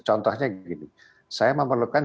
contohnya gini saya membutuhkan